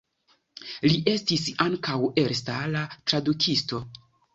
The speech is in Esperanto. Li estis ankaŭ elstara tradukisto.